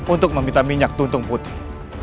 untuk meminta minyak tuntung putih